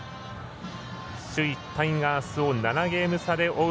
首位タイガースを７ゲーム差で追う